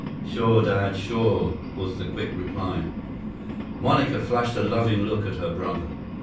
"Sure, Dad. Sure." was the quick reply. Monica flashed a loving look at her brother.